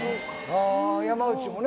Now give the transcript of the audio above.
ああ山内もね